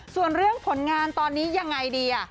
ส่วนเรื่องผลงานตอนนี้ยังไงดี